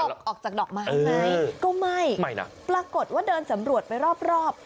ออกจากดอกไม้ไหมก็ไม่ไม่นะปรากฏว่าเดินสำรวจไปรอบรอบ